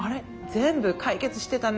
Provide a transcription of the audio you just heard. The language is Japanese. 全部解決してたね。